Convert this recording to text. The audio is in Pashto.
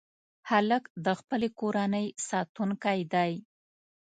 هلک د خپلې کورنۍ ساتونکی دی.